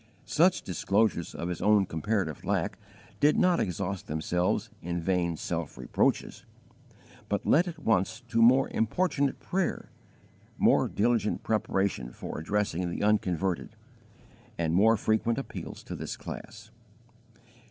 Such disclosures of his own comparative lack did not exhaust themselves in vain self reproaches, but led at once to more importunate prayer, more diligent preparation for addressing the unconverted, and more frequent appeals to this class.